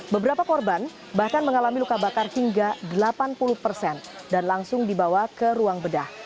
beberapa korban bahkan mengalami luka bakar hingga delapan puluh persen dan langsung dibawa ke ruang bedah